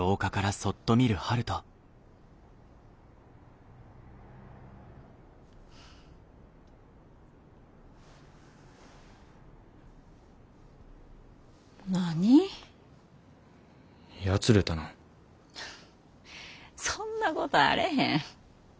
そんなことあれへん。